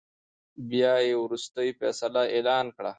بيا يې ورورستۍ فيصله اعلان کړه .